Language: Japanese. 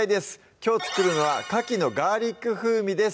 きょう作るのは「かきのガーリック風味」です